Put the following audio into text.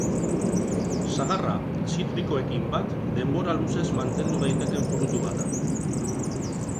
Sagarra, zitrikoekin bat, denbora luzez mantendu daitekeen fruitu bat da.